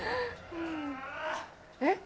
・えっ！